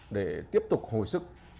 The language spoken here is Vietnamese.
để tiếp tục hồi sức